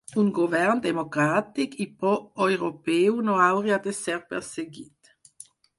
Un govern democràtic i pro-europeu no hauria de ser perseguit.